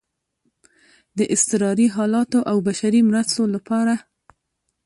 د اضطراري حالاتو او بشري مرستو لپاره